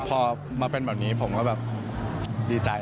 พอมาเป็นแบบนี้ผมก็แบบดีใจ